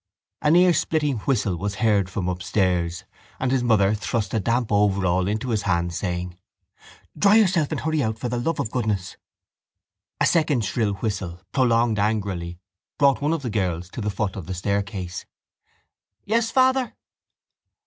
An ear splitting whistle was heard from upstairs and his mother thrust a damp overall into his hands, saying: —Dry yourself and hurry out for the love of goodness. A second shrill whistle, prolonged angrily, brought one of the girls to the foot of the staircase. —Yes, father?